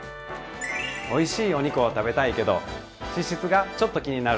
おいしいお肉を食べたいけど脂質がちょっと気になる。